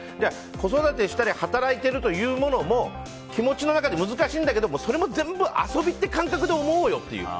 子育てしたり働いてるというものも気持ちの中で難しいんだけどそれも全部遊びって感覚で行こうよと。